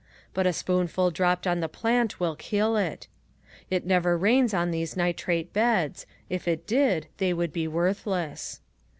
But a spoonful dropped on the plant will kill it. It never rains on these nitrate beds if it did they would be worthless.